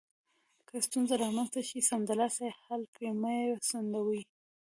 که ستونزه رامنځته شي، سمدلاسه یې حل کړئ، مه یې ځنډوئ.